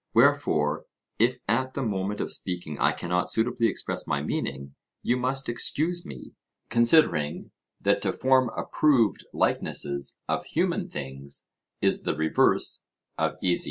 Wherefore if at the moment of speaking I cannot suitably express my meaning, you must excuse me, considering that to form approved likenesses of human things is the reverse of easy.